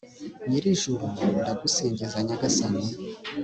nyir'ijuru, ndagusingiza nyagasani